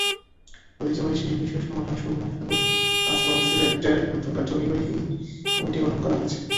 ঐতিহ্যবাহী শিশু-কিশোর সংগঠন সুরমা খেলাঘর আসর সিলেটের নতুন কার্যকরী কমিটি গঠন করা হয়েছে।